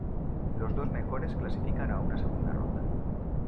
Los dos mejores clasifican a una segunda ronda.